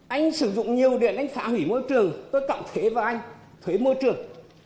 anh sử dụng nhiều điện anh phá hủy môi trường tôi trọng thuế vào anh thuế môi trường